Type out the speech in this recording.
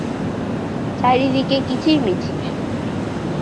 চারিদিকে কিচির মিচির।